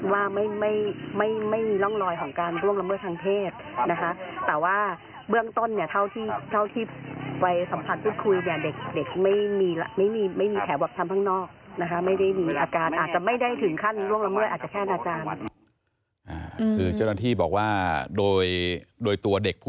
ว่าเกิดอะไรขึ้นกับคนเด็ก